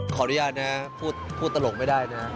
ขออนุญาตนะพูดตลกไม่ได้นะ